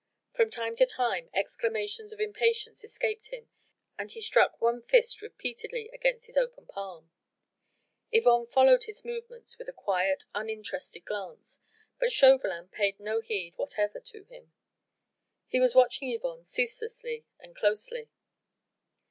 From time to time exclamations of impatience escaped him and he struck one fist repeatedly against his open palm. Yvonne followed his movements with a quiet, uninterested glance, but Chauvelin paid no heed whatever to him. He was watching Yvonne ceaselessly, and closely.